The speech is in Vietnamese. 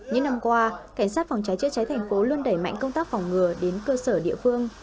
những năm qua cảnh sát phòng cháy chữa cháy tp đà nẵng luôn đẩy mạnh công tác phòng ngừa đến cơ sở địa phương